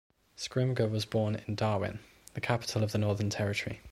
Scrymgour was born in Darwin, the capital of the Northern Territory.